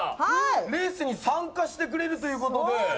レースに参加してくれるということで。